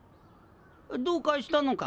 どうかしたのか？